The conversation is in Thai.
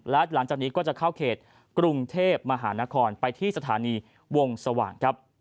และหลังจากนี้ก็จะเข้าเขตกรุงเทพมหานครไปที่สถานีวงสว่างครับ